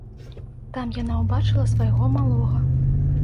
Там яна ўбачыла свайго малога.